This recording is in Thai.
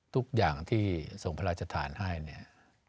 ทุกอย่างที่ส่งพระราชทานให้เนี่ย